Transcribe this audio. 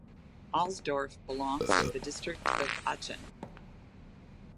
Alsdorf belongs to the district of Aachen.